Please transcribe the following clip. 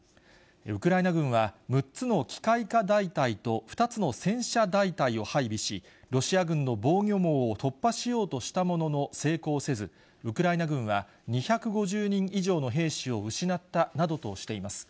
ウクライナ軍は、６つの機械化大隊と２つの戦車大隊を配備し、ロシア軍の防御網を突破しようとしたものの、成功せず、ウクライナ軍は２５０人以上の兵士を失ったなどとしています。